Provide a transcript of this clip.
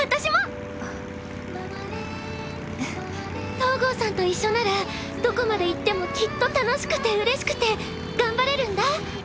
東郷さんと一緒ならどこまで行ってもきっと楽しくてうれしくて頑張れるんだ。